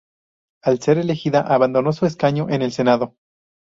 Al ser elegida, abandonó su escaño en el Senado.